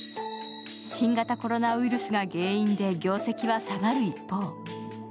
新型コロナウイルスが原因で業績は下がる一方。